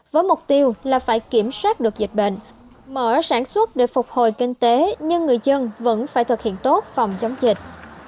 với mục tiêu là phải kiểm soát được dịch bệnh mở sản xuất để phục hồi kinh tế nhưng người dân vẫn phải thực hiện tốt phòng chống dịch